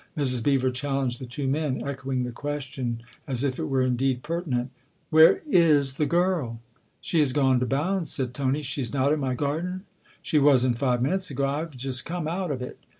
Mrs. Beever challenged the two men, echoing the question as if it were indeed pertinent. " Where is the girl ?"" She has gone to Bounds," said Tony. " She's not in my garden ?"" She wasn't five minutes ago I've just come out of it."